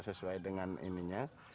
sesuai dengan ininya